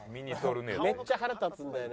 めっちゃ腹立つんだよ